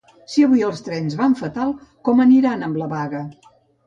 Si avui els trens van fatal, com aniran amb la vaga?